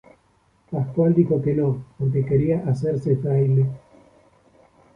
Pascual dijo que no, porque quería hacerse fraile.